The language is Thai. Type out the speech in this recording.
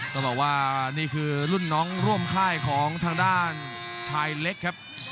ต้องบอกว่านี่คือรุ่นน้องร่วมค่ายของทางด้านชายเล็กครับ